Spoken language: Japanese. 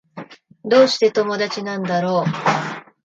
どうして友達なんだろう